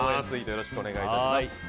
よろしくお願いします。